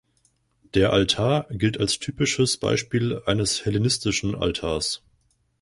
Der Altar gilt als typisches Beispiel eines hellenistischen Altars.